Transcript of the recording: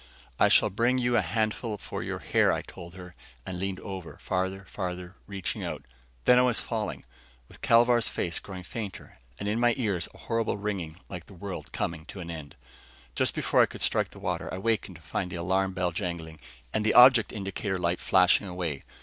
"I shall bring you a handful for your hair," I told her, and leaned over farther, farther, reaching out.... Then I was falling, with Kelvar's face growing fainter, and in my ears a horrible ringing like the world coming to an end. Just before I could strike the water, I wakened to find the alarm bell jangling and the object indicator light flashing away.